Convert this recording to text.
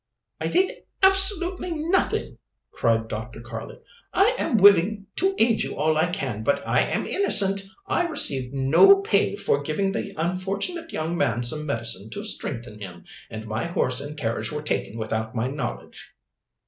"I did absolutely nothing," cried Dr. Karley. "I am willing to aid you all I can. But I am innocent. I received no pay for giving the unfortunate young man some medicine to strengthen him, and my horse and carriage were taken without my knowledge."